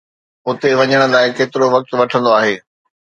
اتي وڃڻ لاء ڪيترو وقت وٺندو آهي؟